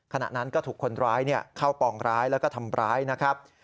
ขณะนั้นก็ถูกคนร้ายเข้าปองร้ายแล้วก็ทำร้ายนะครับ